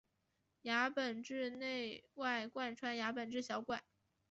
牙本质内外贯穿牙本质小管。